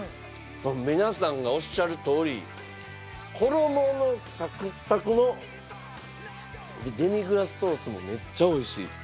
皆さんがおっしゃるとおり衣のサクサクの。でデミグラスソースもめっちゃ美味しい。